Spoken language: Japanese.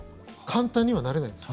簡単にはなれないです。